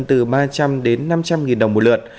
từ ba trăm linh đến năm trăm linh nghìn đồng một lượt